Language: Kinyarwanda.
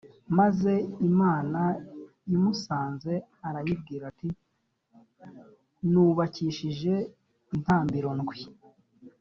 maze imana imusanze, arayibwira ati nubakishije intambiro ndwi.